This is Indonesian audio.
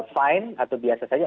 fine atau biasa saja